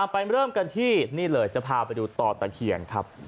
เริ่มกันที่นี่เลยจะพาไปดูต่อตะเคียนครับ